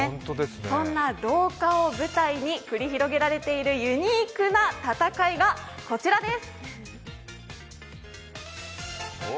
そんな廊下を舞台に繰り広げられているユニークな戦いがこちらです。